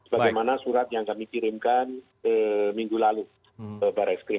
bagaimana surat yang kami kirimkan minggu lalu ke barreskrim